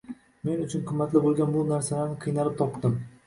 Men uchun qimmatli bo’lgan bu narsalarni qiynalib topgandim.